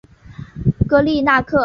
戈利纳克。